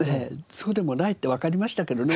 そうでもないってわかりましたけどね